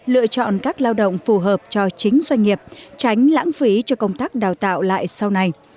lựa chọn các lao động phù hợp cho chính doanh nghiệp tránh lãng phí cho công tác đào tạo lại sau này